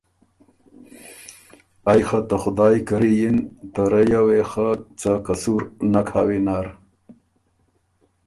ائ خه ته خدایٛ کری یِن، ته رئ یه وې خه څه قصور نک هۀ وینر۔